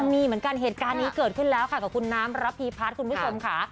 มีเหมือนกันเหตุการณ์นี้เกิดขึ้นแล้วค่ะกับคุณน้ำระพีพัฒน์คุณผู้ชมค่ะ